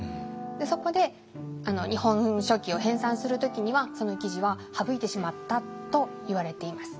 そこで「日本書紀」を編さんする時にはその記事は省いてしまったといわれています。